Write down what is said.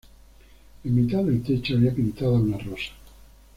En mitad del techo había pintada una rosa.